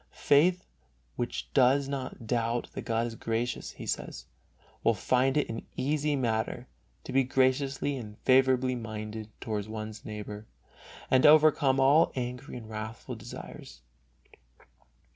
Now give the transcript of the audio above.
Faith which does not doubt that God is gracious, he says, will find it an easy matter to be graciously and favorably minded toward one's neighbor and to overcome all angry and wrathful desires.